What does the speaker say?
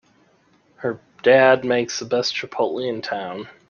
Her dad makes the best chipotle in town!